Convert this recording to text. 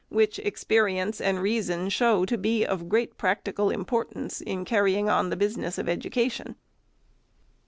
which experience and reason show to be of great practical importance in carry ing on the business of education.